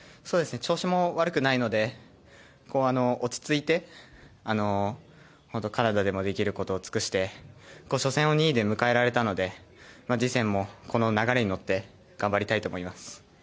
調子も悪くないので落ち着いてカナダでもできることを尽くして初戦を２位で迎えられたので次戦もこの流れに乗って頑張りたいと思います。